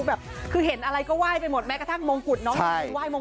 แบบคือเห็นอะไรก็ไหว้ไปหมดแม้กระทั่งมงกุฎน้องยังคงไห้มง